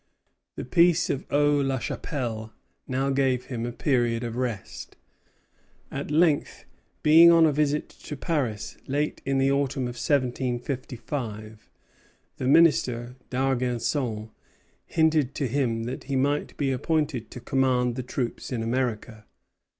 The peace of Aix la Chapelle now gave him a period of rest. At length, being on a visit to Paris late in the autumn of 1755, the minister, D'Argenson, hinted to him that he might be appointed to command the troops in America.